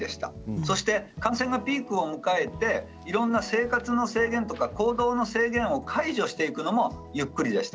そして感染のピークを迎えていろんな生活の制限とか行動の制限を解除していくのもゆっくりでした。